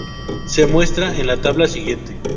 Se muestran en la tabla siguiente.